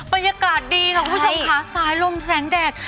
บรรยากาศดีค่ะคุณผู้ชมค่ะสายลมแสงแดด